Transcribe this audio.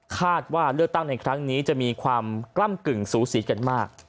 คาดว่าเลือกตั้งในครั้งนี้จะมีความกล้ำกึ่งสูสีกันมาก